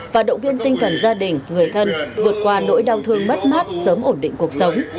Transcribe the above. và động viên tinh thần gia đình người thân vượt qua nỗi đau thương mất mát sớm ổn định cuộc sống